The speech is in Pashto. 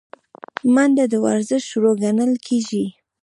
منډه د ورزش شروع ګڼل کېږي